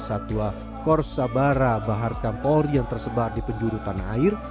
satwa korsabara bahar kampolri yang tersebar di penjuru tanah air